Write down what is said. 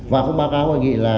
và cũng báo cáo hoàn nghị là